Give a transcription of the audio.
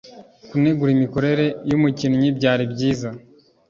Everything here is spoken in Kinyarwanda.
Kunegura imikorere yumukinnyi byari byiza.